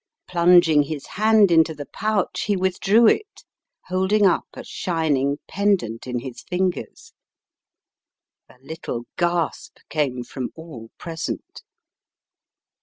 Plunging his hand into the pouch he withdrew it, holding up a shining pen dant in his fingers. A little gasp came from all present.